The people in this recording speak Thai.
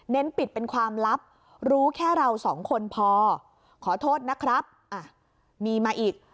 ปิดเป็นความลับรู้แค่เราสองคนพอขอโทษนะครับมีมาอีก